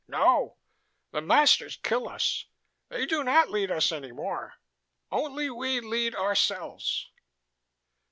"No. The masters kill us. They do not lead us any more. Only we lead ourselves."